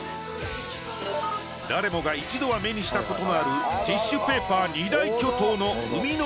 誰もが一度は目にしたことのあるティッシュペーパー二大巨頭の生みの親。